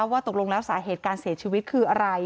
ว่าตกลงแล้วสาเหตุการเสียชีวิตคืออะไร